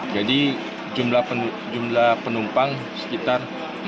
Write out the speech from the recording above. jadi jumlah penumpang sekitar empat puluh delapan